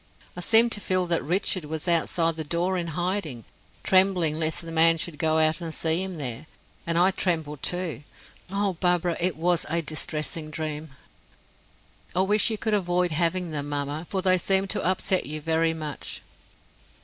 I seemed to feel that Richard was outside the door in hiding, trembling lest the man should go out and see him there; and I trembled, too. Oh, Barbara, it was a distressing dream!" "I wish you could avoid having them, mamma, for they seem to upset you very much."